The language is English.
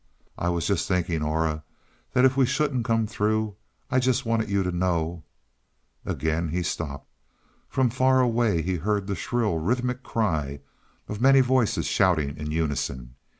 "I was just thinking, Aura, that if we shouldn't come through I just wanted you to know " Again he stopped. From far away he heard the shrill, rhythmic cry of many voices shouting in unison.